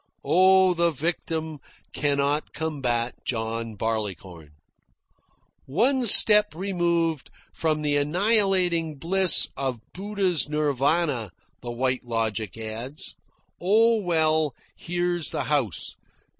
Oh, the victim cannot combat John Barleycorn! "One step removed from the annihilating bliss of Buddha's Nirvana," the White Logic adds. "Oh well, here's the house.